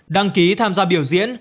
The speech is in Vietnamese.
đăng ký tham gia biểu diễn